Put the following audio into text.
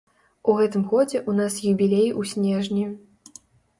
У гэтым годзе ў нас юбілей у снежні.